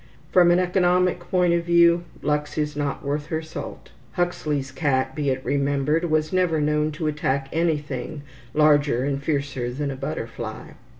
From an economic point of view, Lux is not worth her salt. Huxley's cat, be it remembered, was never known to attack anything larger and fiercer than a butterfly.